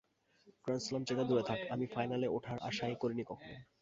Grand slam জেতা দূরে থাক, আমি ফাইনালে ওঠার আশাই করিনি কখনো।